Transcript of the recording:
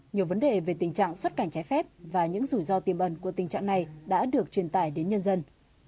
nhiều vấn đề về tình trạng xuất cảnh trái phép và những rủi ro tiềm ẩn của tình trạng này đã được truyền tải đến nhân dân